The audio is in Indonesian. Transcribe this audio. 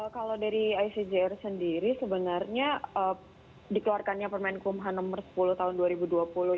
kalau dari icjr sendiri sebenarnya dikeluarkannya permen kumham nomor sepuluh tahun dua ribu dua puluh ini